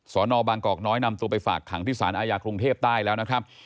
นบางกอกน้อยนำตัวไปฝากขังที่สารอาญากรุงเทพใต้แล้วนะครับ